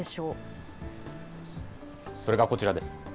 それがこちらです。